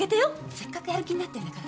せっかくヤル気になってんだからさ。